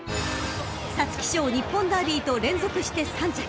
［皐月賞日本ダービーと連続して３着］